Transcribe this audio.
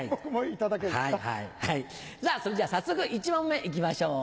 それじゃあ早速１問目行きましょう。